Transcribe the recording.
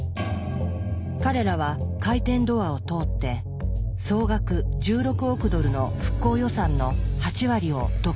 彼らは「回転ドア」を通って総額１６億ドルの復興予算の８割を独占しました。